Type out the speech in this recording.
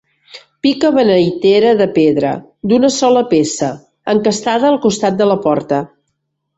Pica beneitera de pedra d'una sola peça encastada al costat de la porta.